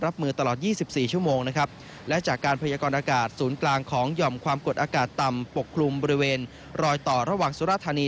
ปกครุมบริเวณรอยต่อระหว่างสุรธารณี